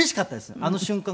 あの瞬間が。